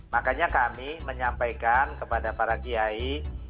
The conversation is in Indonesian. makanya kami menyampaikan kepada para kiai